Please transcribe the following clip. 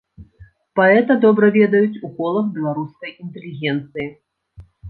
Паэта добра ведаюць у колах беларускай інтэлігенцыі.